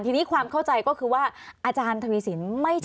ทีนี้ความเข้าใจก็คือว่าอาจารย์ทวีสินไม่ใช่ของใหม่อีกต่อไปแล้ว